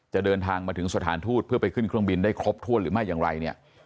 จะเดินทางมาถึงสถานทูตเพื่อไปขึ้นเครื่องบินได้ครบถ้วนหรือไม่อย่างไรเนี่ย